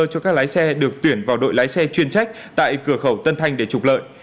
cho các lái xe được tuyển vào đội lái xe chuyên trách tại cửa khẩu tân thanh để trục lợi